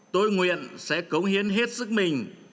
tôi nguyện sẽ cống hiến hết sức mình